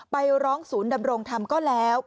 ไปร้องศูนย์ดำรงธรรมก็แล้ว